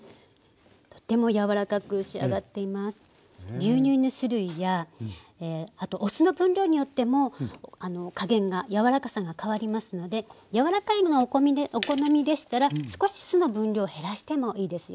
牛乳の種類やお酢の分量によっても加減がやわらかさが変わりますのでやわらかいものがお好みでしたら少し酢の分量を減らしてもいいですよ。